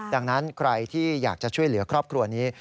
ดังนั้นใครที่อยากจะช่วยเหลือครอบครัวนี้